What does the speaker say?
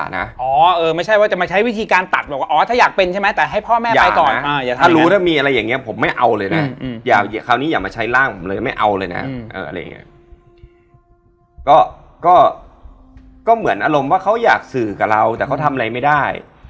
เหมือนเรียกร้องความสนใจ